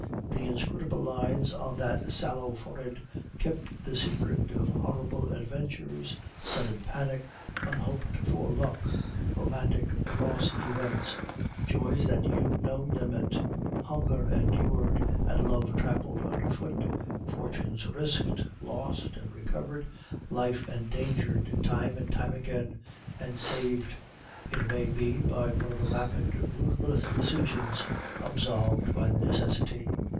The inscrutable lines on that sallow forehead kept the secret of horrible adventures, sudden panic, unhoped for luck, romantic cross events, joys that knew no limit, hunger endured and love trampled under foot, fortunes risked, lost, and recovered, life endangered time and time again, and saved, it may be, by one of the rapid, ruthless decisions absolved by necessity.